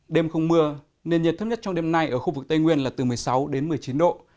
đêm không mưa nền nhiệt thấp nhất trong đêm nay ở khu vực tây nguyên là từ một mươi sáu đến một mươi chín độ